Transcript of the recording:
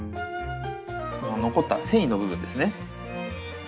この残った繊維の部分ですね。